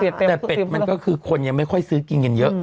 แต่เป็ดเป็ดมันก็คือคนยังไม่ค่อยซื้อกินกันเยอะ